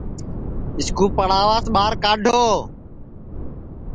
اِس کُو پڑاواس ٻہار کڈؔو